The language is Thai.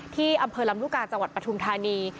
ที่อำเภอลำลูกกาจังหวัดปฐุมธานี